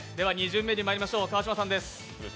２巡目にまいりましょう、川島さんです。